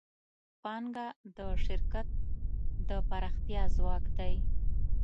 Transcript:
پانګه د شرکت د پراختیا ځواک دی.